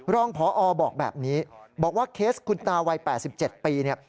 รองพอบอกแบบนี้บอกว่าเคสคุณตาวัย๘๗ปีเนี่ย